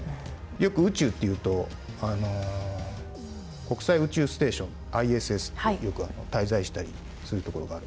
よく宇宙っていうと国際宇宙ステーションＩＳＳっていうよく滞在したりする所があるんですけども。